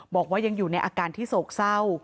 บอกว่ายังอยู่ในอาการที่โศกเศร้า